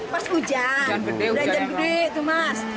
pas hujan hujan gede tuh mas